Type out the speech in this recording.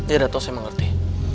ya dato saya mengerti